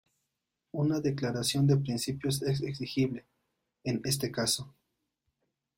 Una declaración de principios es exigible, en este caso.